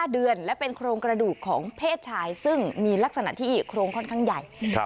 ๕เดือนและเป็นโครงกระดูกของเพศชายซึ่งมีลักษณะที่โครงค่อนข้างใหญ่